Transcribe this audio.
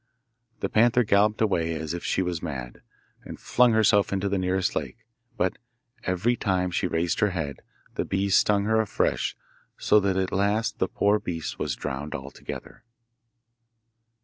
The panther galloped away as if she was mad, and flung herself into the nearest lake, but every time she raised her head, the bees stung her afresh so at last the poor beast was drowned altogether.